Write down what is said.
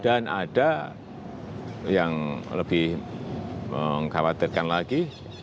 dan ada yang lebih mengkhawatirkan lagi